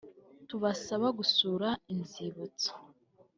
tubasaba gusura inzibutso